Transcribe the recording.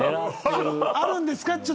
あるんですか？